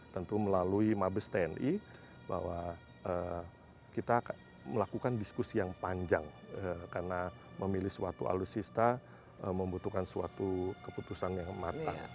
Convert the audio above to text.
tentu melalui mabes tni bahwa kita melakukan diskusi yang panjang karena memilih suatu alutsista membutuhkan suatu keputusan yang matang